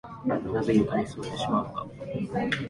なぜ床に座ってしまうのか